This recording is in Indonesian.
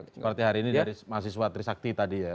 seperti hari ini dari mahasiswa trisakti tadi ya